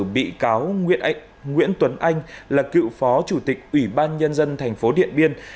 bị cáo nguyễn tuấn anh là cựu phó chủ tịch ủy ban nhân dân thành phố điện biên